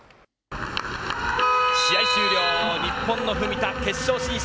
試合終了、日本の文田、決勝進出。